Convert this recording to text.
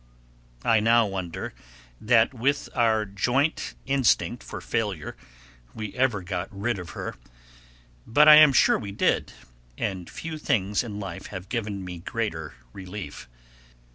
I now wonder that with our joint instinct for failure we ever got rid of her; but I am sure we did, and few things in life have given me greater relief.